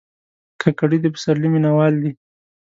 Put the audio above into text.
کاکړي د پسرلي مینهوال دي.